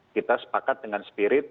kita sepakat dengan spirit